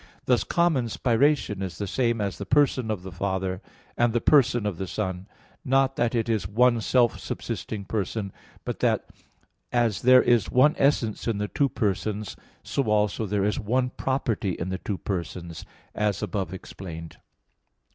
Thus, common spiration is the same as the person of the Father, and the person of the Son; not that it is one self subsisting person; but that as there is one essence in the two persons, so also there is one property in the two persons, as above explained (Q.